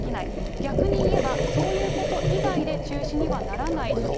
逆に言えば、そういうこと以外で中止にはならないと。